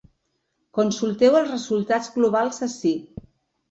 Consulteu els resultats globals ací.